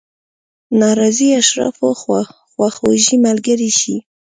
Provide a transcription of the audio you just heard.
ناراضي اشرافو خواخوږي ملګرې شي.